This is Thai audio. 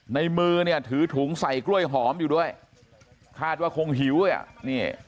ในมือเนี่ยถือถุงใส่กล้วยหอมอยู่ด้วยคาดว่าคงหิวด้วยอ่ะนี่